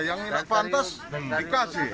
yang pantas dikasih